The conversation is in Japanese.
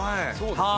はい。